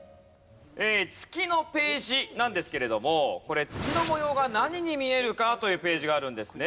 月のページなんですけれどもこれ月の模様が何に見えるかというページがあるんですね。